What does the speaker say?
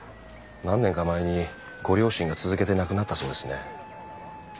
何年か前にご両親が続けて亡くなったそうですね。